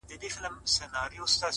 • اې د ویدي د مست سُرود او اوستا لوري؛